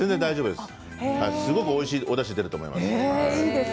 すごくおいしいおだしが出ると思います。